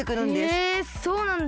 へえそうなんだ。